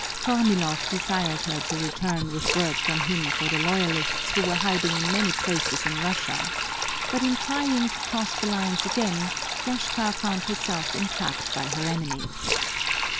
Kornilov desired her to return with word from him for the loyalists who were hiding in many places in Russia, but in trying to cross the lines again Yashka found herself entrapped by her enemies.